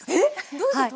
どういうこと？